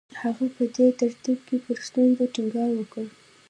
هغه په دې ترکیب کې پر ستونزو ټینګار وکړ